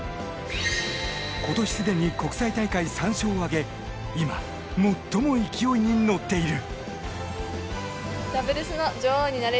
今年すでに、国際大会３勝を挙げ今、最も勢いに乗っている。